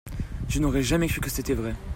Je n'aurais jamais cru que c'était vrai.